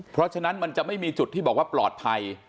เพราะฉะนั้นมันจะไม่มีจุดที่บอกว่าปลอดภัย